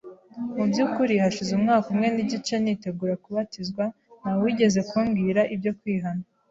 Mu by’ukuri, hashize umwaka umwe n’igice nitegura kubatizwa nta wigeze kumbwira ibyo kwihana